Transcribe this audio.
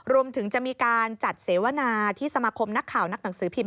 รวมถึงจะมีการจัดเสวนาที่สมาคมนักข่าวนักหนังสือพิมพ